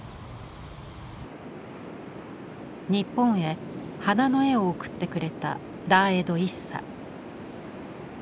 日本へ花の絵を送ってくれたラーエド・イッサ。